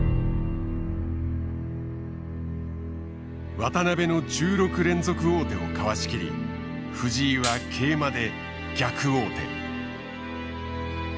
渡辺の１６連続王手をかわしきり藤井は桂馬で逆王手。